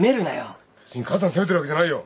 別に母さん責めてるわけじゃないよ。